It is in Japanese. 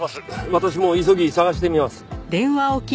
私も急ぎ探してみます。